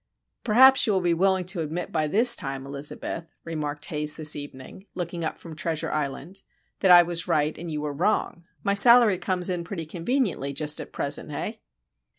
"Perhaps you will be willing to admit by this time, Elizabeth," remarked Haze this evening, looking up from Treasure Island, "that I was right, and you were wrong. My salary comes in pretty conveniently just at present, eh?"